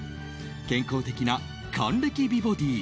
健康的な還暦美ボディー。